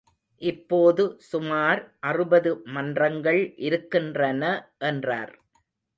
இப்போது சுமார் அறுபது மன்றங்கள் இருக்கின்றன என்றார்.